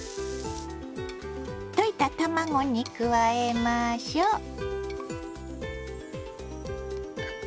溶いた卵に加えましょう。